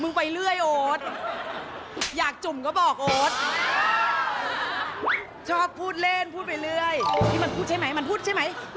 ไปเรื่อยโอ๊ตอยากจุ่มก็บอกโอ๊ตชอบพูดเล่นพูดไปเรื่อยนี่มันพูดใช่ไหมมันพูดใช่ไหม